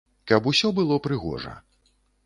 Каб усё было прыгожа.